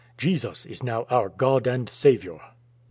Jesus is now our God and Saviour."